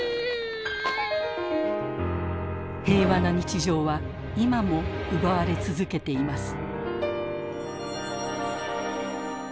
平和な日常は今も奪われ続けています。